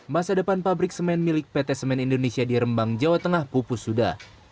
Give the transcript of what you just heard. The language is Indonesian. masa depan pabrik semen milik pt semen indonesia di rembang jawa tengah pupus sudah